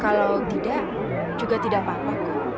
kalau tidak juga tidak apa apa kok